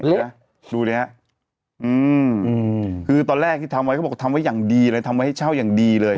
นะดูดิฮะอืมคือตอนแรกที่ทำไว้เขาบอกทำไว้อย่างดีเลยทำไว้ให้เช่าอย่างดีเลย